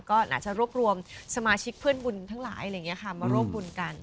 ก็อาจจะรวบรวมสมาชิกเพื่อนบุญทั้งหลายอะไรอย่างนี้ค่ะมาร่วมบุญกัน